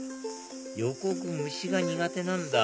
横尾君虫が苦手なんだ